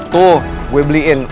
tuh gue beliin